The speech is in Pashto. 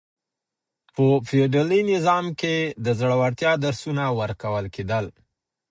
په فيوډالي نظام کي د زړورتيا درسونه ورکول کېدل.